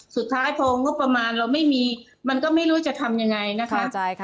สุดท้ายพองบประมาณเราไม่มีมันก็ไม่รู้จะทำยังไงนะคะ